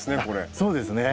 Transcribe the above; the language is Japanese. そうですね。